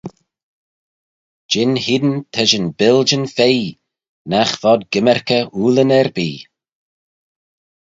Jin hene ta shin biljin feïe nagh vod gymmyrkey ooylyn erbee.